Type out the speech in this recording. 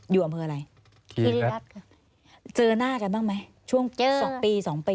อยู่อันเมื่ออะไรที่นี่ครับเจอหน้ากันบ้างไหมช่วงสองปีสองปีอ่ะ